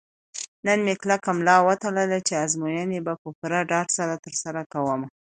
نن مې کلکه ملا وتړله چې ازموینې به په پوره ډاډ سره ترسره کوم.